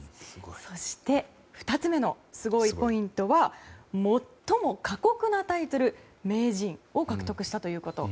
そして２つ目のすごいポイントは最も過酷なタイトル名人を獲得したということ。